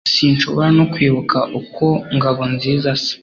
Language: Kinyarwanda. Sinshobora no kwibuka uko Ngabonziza asa